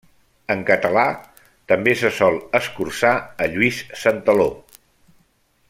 En català, també se sol escurçar a Lluís Santaló.